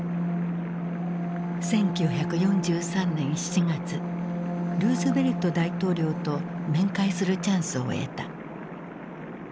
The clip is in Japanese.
１９４３年７月ルーズベルト大統領と面会するチャンスを得た。